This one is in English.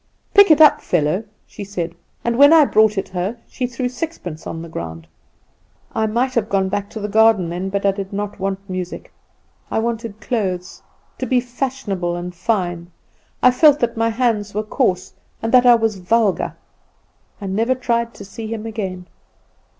"'Pick it up, fellow,' she said; and when I brought it her she threw sixpence on the ground. I might have gone back to the garden then; but I did not want music; I wanted clothes, and to be fashionable and fine. I felt that my hands were coarse, and that I was vulgar. I never tried to see him again.